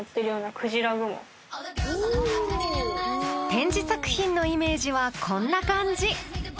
展示作品のイメージはこんな感じ。